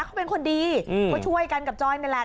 เขาเป็นคนดีเขาช่วยกันกับจอยนี่แหละ